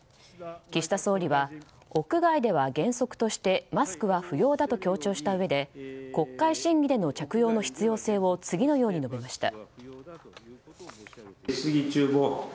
岸田総理は、屋外では原則としてマスクは不要だと強調したうえで国会審議での着用の必要性を次のように述べました。